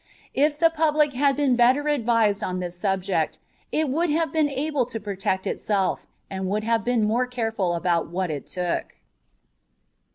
If the public had been better advised on this subject, it would have been able to protect itself, and would have been more careful about what it took.